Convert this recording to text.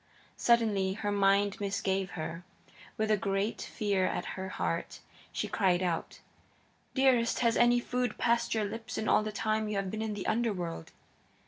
Suddenly her mind misgave her. With a great fear at her heart she cried out: "Dearest, has any food passed your lips in all the time you have been in the Underworld?"